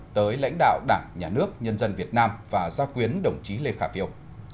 tới lãnh đạo đảng nhà nước nhân dân việt nam và gia quyến đồng chí lê khả phiêu